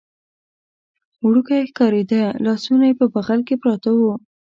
وړوکی ښکارېده، لاسونه یې په بغل کې پراته و.